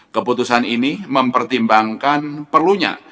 keputusan ini mempertimbangkan perlunya